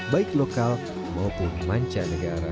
baik lokal maupun manca negara